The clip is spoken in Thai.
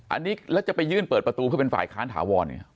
อันนี้แล้วจะไปยื่นเปิดประตูเพื่อเป็นฝ่ายค้านถาวรเนี่ย